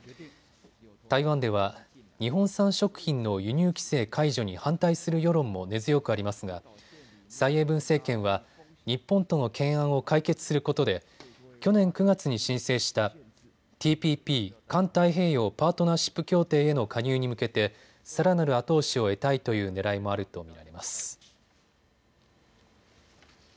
台湾では日本産食品の輸入規制解除に反対する世論も根強くありますが蔡英文政権は日本との懸案を解決することで去年９月に申請したＴＰＰ・環太平洋パートナーシップ協定への加入に向けてさらなる後押しを得たいというねらいもあると見られます。